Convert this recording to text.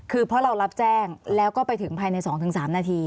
คือเพราะเรารับแจ้งแล้วก็ไปถึงภายใน๒๓นาที